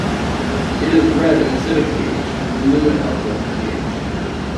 It is red in acidic pH and blue in alkaline pH.